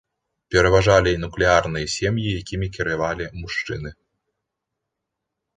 Пераважалі нуклеарныя сем'і, якімі кіравалі мужчыны.